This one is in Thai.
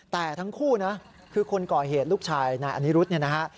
แต่ทั้งคู่นะคือคนก่อเหตุลูกชายนายอนิรุธเนี่ยนะฮะ